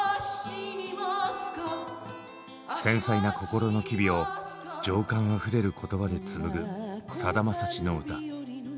繊細な感情の機微を情感あふれる言葉で紡ぐさだまさしの歌。